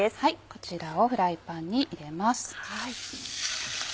こちらをフライパンに入れます。